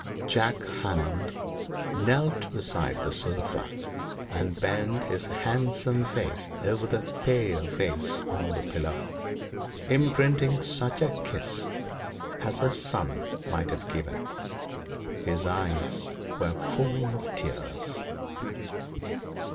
John Hammond knelt beside the sofa, and bent his handsome face over the pale face on the pillow, imprinting such a kiss as a son might have given. His eyes were full of tears.